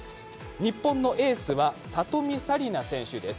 日本のエースは里見紗李奈選手です。